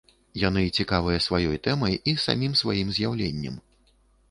Яны цікавыя сваёй тэмай і самім сваім з'яўленнем.